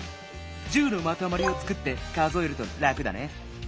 １０のまとまりをつくって数えるとラクだね。